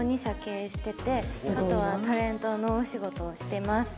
あとはタレントのお仕事をしてます。